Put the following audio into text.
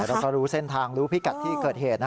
แล้วก็รู้เส้นทางรู้พิกัดที่เกิดเหตุ